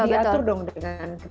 ya diatur dong dengan